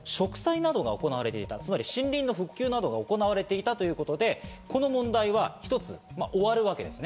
指導があったので翌年、植栽などが行われていた、森林の復旧などが行われていたということでこの問題は一つ終わるわけです。